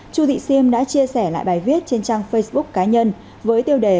chu thị siêm đã chia sẻ lại bài viết trên trang facebook cá nhân với tiêu đề